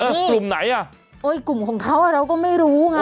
แล้วกลุ่มไหนอ่ะโอ้ยกลุ่มของเขาอ่ะเราก็ไม่รู้ไง